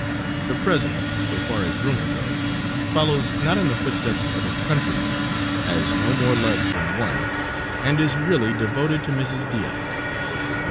The president, so far as rumor goes, follows not in the footsteps of his countrymen, has no more loves than one, and is really devoted to Mrs. Diaz.